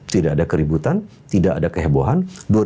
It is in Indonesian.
tidak ada keributan tidak ada kehebohan